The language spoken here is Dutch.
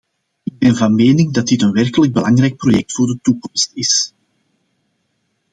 Ik ben van mening dat dit een werkelijk belangrijk project voor de toekomst is.